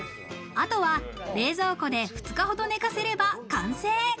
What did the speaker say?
あとは冷蔵庫で２日ほど寝かせれば完成。